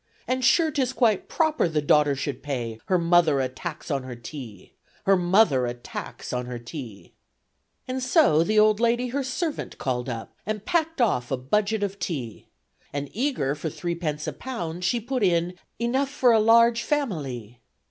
And sure 'tis quite proper the daughter should pay Her mother a tax on her tea, Her mother a tax on her tea." And so the old lady her servant called up And packed off a budget of tea, And, eager for three pence a pound, she put in Enough for a large familee.